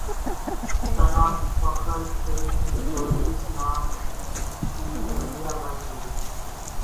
ثنا Fakhr film میں چوہدری اسلم کی اہلیہ بنیں گی